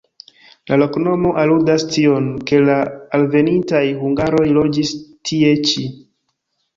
La loknomo aludas tion, ke la alvenintaj hungaroj loĝis tie ĉi.